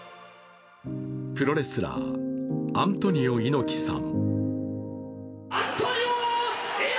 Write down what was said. プロレスラーアントニオ猪木さん。